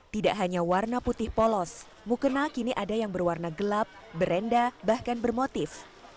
tidak hanya warna putih polos mukena kini ada yang berwarna gelap berenda bahkan bermotif